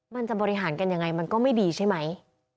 มันจะบริหารกันยังไงมันก็ไม่ดีใช่ไหม